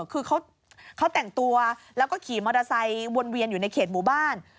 คือเขาแต่งตัวแล้วก็ขี่มอเตอร์ไซค์วนเวียนอยู่ในเขตหมู่บ้าน